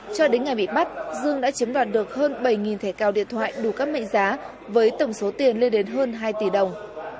cho đến ngày bị bắt dương đã chiếm đoạt được hơn bảy thẻ cào điện thoại đủ các mệnh giá với tổng số tiền lên đến hơn hai tỷ đồng